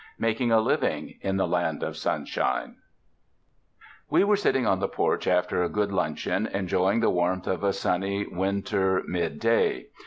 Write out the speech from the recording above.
Making a Living in the Land of Sunshine We were sitting on the porch after a good luncheon, enjoying the warmth of a sunny, win ter midday.